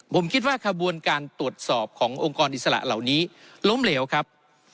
ผมคิดว่าขบวนการตรวจสอบขององค์กรอิสระเหล่านี้ล้มเหลวครับ